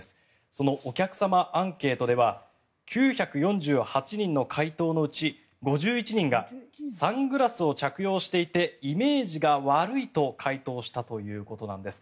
そのお客様アンケートでは９４８人の回答のうち５１人がサングラスを着用していてイメージが悪いと回答したということです。